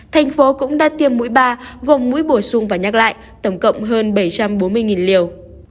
thành phố cũng đã tiêm mũi ba gồm mũi bổ sung và nhắc lại tổng cộng hơn bảy trăm bốn mươi liều